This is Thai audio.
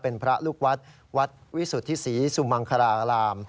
เป็นพระลูกวัดวัดวิสุทธิศรีสุมังคลาราม